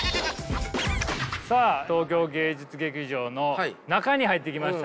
さあ東京芸術劇場の中に入ってきましたね。